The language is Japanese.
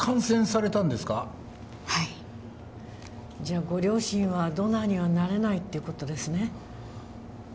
じゃあご両親はドナーにはなれないって事ですね？